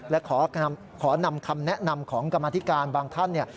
และขอนำคำแนะนำของกรรมธิการบางท่าน